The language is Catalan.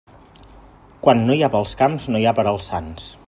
Quan no hi ha pels camps no hi ha per als sants.